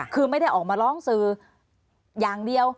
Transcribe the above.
คือไม่ได้ออกมาร้องสื่ออย่างเดียว